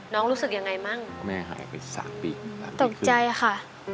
น้องรู้สึกยังไงมั่งตกใจค่ะ